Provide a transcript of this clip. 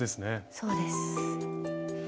そうです。